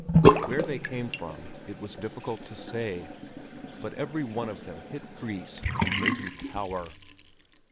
Where they came from it was difficult to say; but every one of them hit Fris and made him cower.